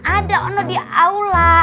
ada di aula